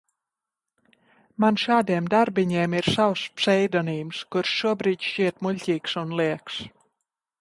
Man šādiem darbiņiem ir savs pseidonīms, kurš šobrīd šķiet muļķīgs un lieks.